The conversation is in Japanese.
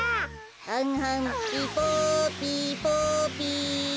はんはんピポピポピ。